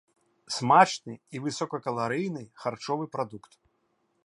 Смачны і высокакаларыйны харчовы прадукт.